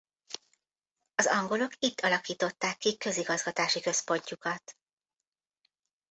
Az angolok itt alakították ki közigazgatási központjukat.